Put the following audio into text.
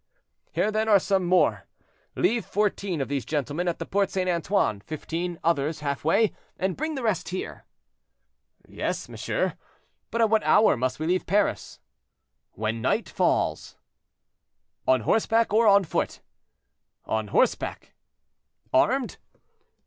"Here then are some more; leave fourteen of these gentlemen at the Porte St. Antoine, fifteen others half way, and bring the rest here." "Yes, monsieur; but at what hour must we leave Paris?" "When night falls." "On horseback or on foot?" "On horseback." "Armed?"